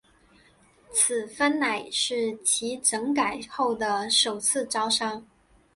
此番乃是其整改后的首次招商。